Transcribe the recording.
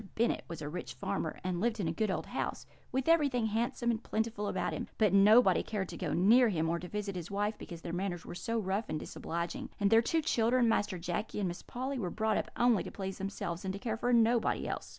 Bennet was a rich farmer, and lived in a good old house, with everything handsome and plentiful about him; but nobody cared to go near him or to visit his wife, because their manners were so rough and disobliging; and their two children, Master Jacky and Miss Polly, were brought up only to please themselves and to care for nobody else.